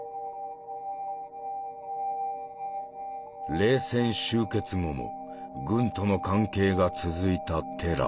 冷戦終結後も軍との関係が続いたテラー。